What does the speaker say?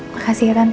makasih ya tante